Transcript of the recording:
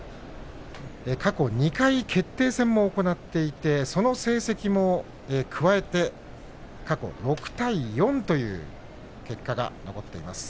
過去２回、決定戦を行っていてその成績も加えて過去６対４という結果があります。